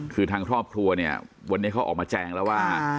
คือทางครอบครัวเนี่ยวันนี้เขาออกมาแจงแล้วว่า